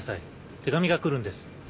手紙が来るんです。